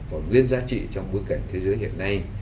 còn nguyên giá trị trong bối cảnh thế giới hiện nay